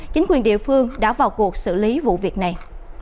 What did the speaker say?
chính quyền địa phương đã vào cuộc xử lý vụ việc này